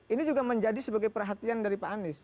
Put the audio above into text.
ini juga menjadi sebagai perhatian dari pak anies